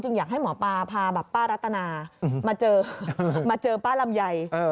จริงอยากให้หมอปลาพาป้ารัตนามาเจอป้าลำไย